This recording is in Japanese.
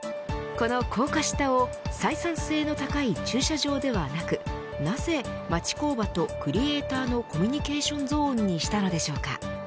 この高架下を採算性の高い駐車場ではなくなぜ町工場とクリエイターのコミュニケーションゾーンにしたのでしょうか。